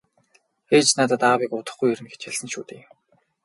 - Ээж надад аавыг удахгүй ирнэ гэж хэлсэн шүү дээ.